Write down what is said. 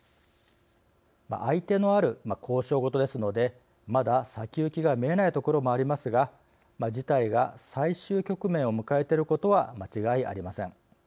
相手のある交渉事ですのでまだ先行きが見えないところもありますが、事態が最終局面を迎えていることは間違いありません。